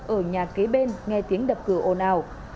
ở nhà kế bên nghe tiếng đập cửa ồn ào